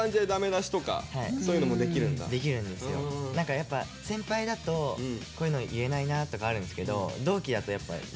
やっぱ先輩だとこういうの言えないなとかあるんですけど同期だとやっぱ言えるんで。